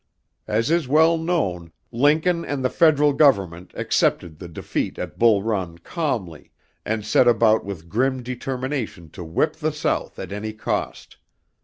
As is well known, Lincoln and the Federal Government accepted the defeat at Bull Run calmly, and set about with grim determination to whip the South at any cost.